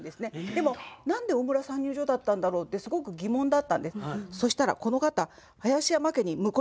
でも何で「大村産乳所」だったんだろうってすごく疑問だったんです。